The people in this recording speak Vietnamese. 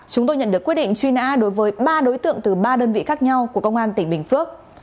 chúng tôi nhận được quyết định truy nã đối với ba đối tượng từ ba đơn vị khác nhau của công an tỉnh bình phước